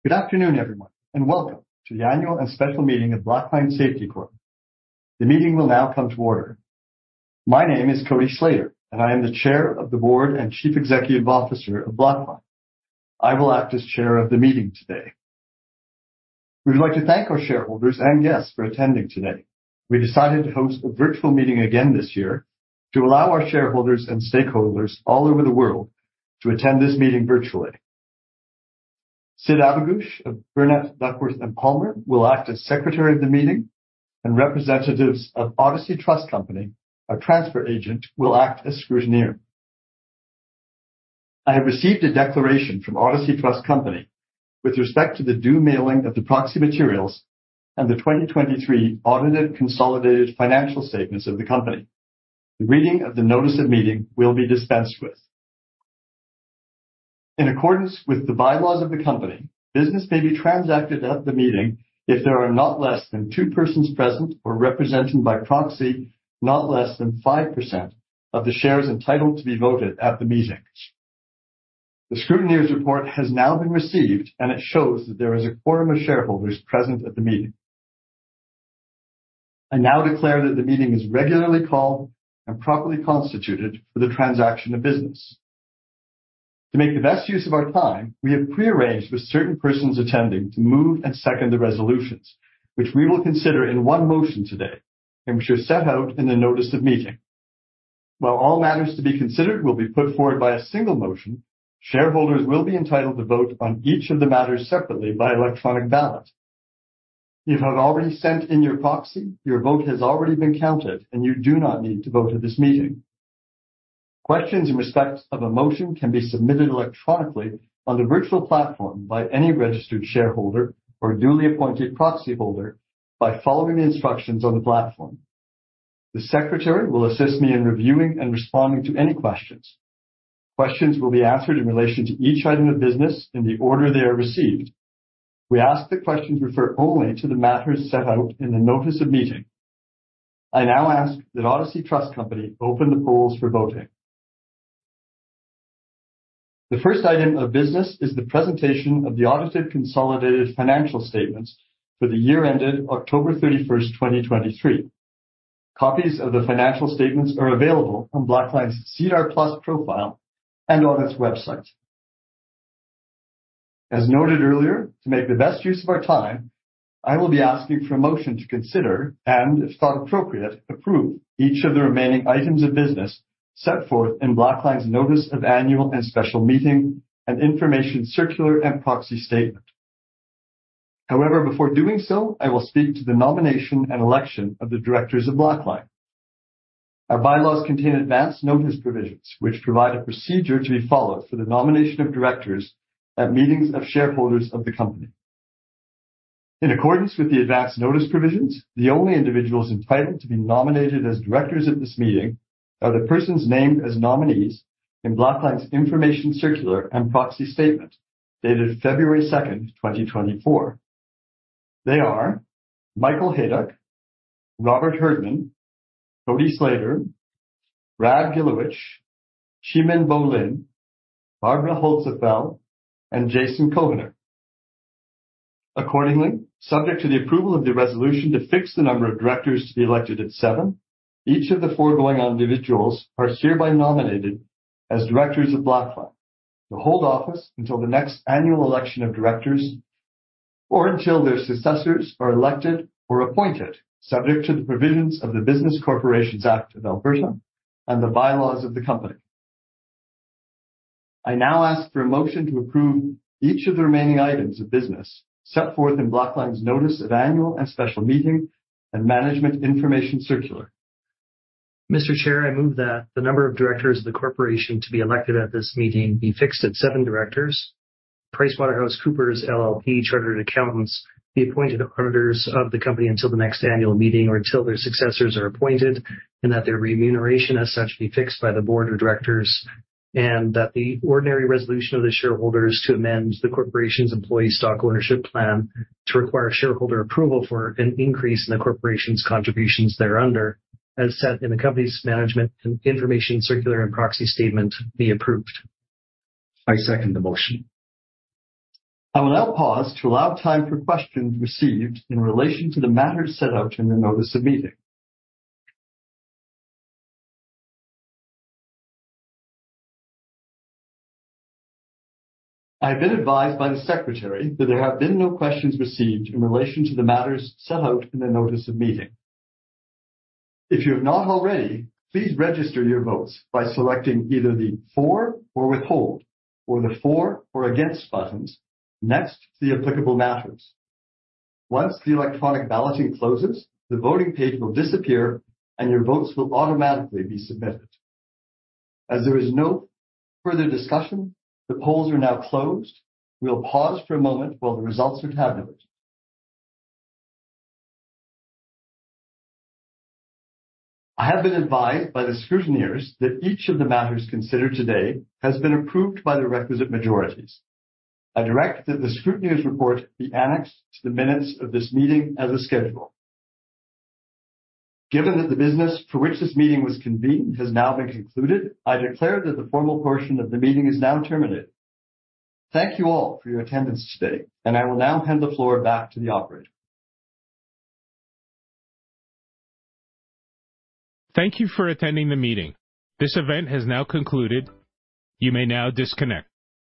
Good afternoon, everyone, and welcome to the Annual and Special Meeting of Blackline Safety Corp. The meeting will now come to order. My name is Cody Slater, and I am the Chair of the Board and Chief Executive Officer of Blackline. I will act as chair of the meeting today. We would like to thank our shareholders and guests for attending today. We decided to host a virtual meeting again this year to allow our shareholders and stakeholders all over the world to attend this meeting virtually. Syd Abougoush of Burnet, Duckworth and Palmer will act as Secretary of the meeting, and representatives of Odyssey Trust Company, our transfer agent, will act as scrutineer. I have received a declaration from Odyssey Trust Company with respect to the due mailing of the proxy materials and the 2023 audited consolidated financial statements of the company. The reading of the notice of meeting will be dispensed with. In accordance with the bylaws of the company, business may be transacted at the meeting if there are not less than two persons present or represented by proxy, not less than 5% of the shares entitled to be voted at the meeting. The scrutineer's report has now been received, and it shows that there is a quorum of shareholders present at the meeting. I now declare that the meeting is regularly called and properly constituted for the transaction of business. To make the best use of our time, we have pre-arranged with certain persons attending to move and second the resolutions, which we will consider in one motion today, and which are set out in the notice of meeting. While all matters to be considered will be put forward by a single motion, shareholders will be entitled to vote on each of the matters separately by electronic ballot. If you have already sent in your proxy, your vote has already been counted, and you do not need to vote at this meeting. Questions in respect of a motion can be submitted electronically on the virtual platform by any registered shareholder or duly appointed proxyholder by following the instructions on the platform. The secretary will assist me in reviewing and responding to any questions. Questions will be answered in relation to each item of business in the order they are received. We ask that questions refer only to the matters set out in the notice of meeting. I now ask that Odyssey Trust Company open the polls for voting. The first item of business is the presentation of the audited consolidated financial statements for the year ended October 31, 2023. Copies of the financial statements are available on Blackline's SEDAR+ profile and on its website. As noted earlier, to make the best use of our time, I will be asking for a motion to consider, and if thought appropriate, approve each of the remaining items of business set forth in Blackline's notice of annual and special meeting and information circular and proxy statement. However, before doing so, I will speak to the nomination and election of the directors of Blackline. Our bylaws contain advance notice provisions, which provide a procedure to be followed for the nomination of directors at meetings of shareholders of the company. In accordance with the advance notice provisions, the only individuals entitled to be nominated as directors at this meeting are the persons named as nominees in Blackline's information circular and proxy statement dated February 2, 2024. They are Michael Hayduk, Robert Herdman, Cody Slater, Brad Gilewich, Cheemin Bo-Linn, Barbara Holzapfel, and Jason Cohenour. Accordingly, subject to the approval of the resolution to fix the number of directors to be elected at seven, each of the foregoing individuals are hereby nominated as directors of Blackline to hold office until the next annual election of directors or until their successors are elected or appointed, subject to the provisions of the Business Corporations Act of Alberta and the bylaws of the company. I now ask for a motion to approve each of the remaining items of business set forth in Blackline's notice of annual and special meeting and management information circular. Mr. Chair, I move that the number of directors of the corporation to be elected at this meeting be fixed at seven directors. PricewaterhouseCoopers LLP, chartered accountants, be appointed auditors of the company until the next annual meeting or until their successors are appointed, and that their remuneration as such be fixed by the board of directors, and that the ordinary resolution of the shareholders to amend the corporation's employee stock ownership plan to require shareholder approval for an increase in the corporation's contributions thereunder, as set in the company's management information circular and proxy statement be approved. I second the motion. I will now pause to allow time for questions received in relation to the matters set out in the notice of meeting. I have been advised by the secretary that there have been no questions received in relation to the matters set out in the notice of meeting. If you have not already, please register your votes by selecting either the for or withhold or the for or against buttons next to the applicable matters. Once the electronic balloting closes, the voting page will disappear, and your votes will automatically be submitted. As there is no further discussion, the polls are now closed. We'll pause for a moment while the results are tabulated. I have been advised by the scrutineers that each of the matters considered today has been approved by the requisite majorities. I direct that the scrutineers report be annexed to the minutes of this meeting as a schedule. Given that the business for which this meeting was convened has now been concluded, I declare that the formal portion of the meeting is now terminated. Thank you all for your attendance today, and I will now hand the floor back to the operator. Thank you for attending the meeting. This event has now concluded. You may now disconnect.